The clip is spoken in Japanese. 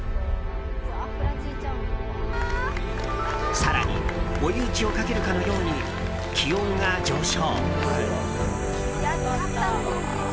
更に追い打ちをかけるかのように気温が上昇。